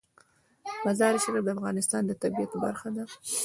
مزارشریف د افغانستان د طبیعت برخه ده.